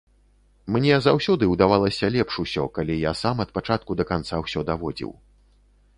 Мне заўсёды ўдавалася лепш усё, калі я сам ад пачатку да канца ўсё даводзіў.